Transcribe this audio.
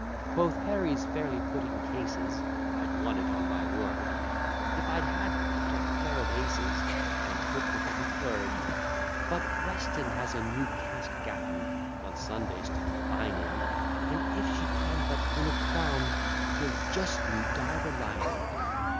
Quoth Herries, fairly putting cases, I'd won it, on my word, If I had but a pair of aces, And could pick up a third. But Weston has a new cast gown On Sundays to be fine in, And, if she can but win a crown, 'Twill just new dye the lining.